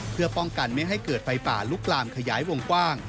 เพื่อป้องกันไม่ให้เกิดไฟป่าลุกลามขยายวงกว้าง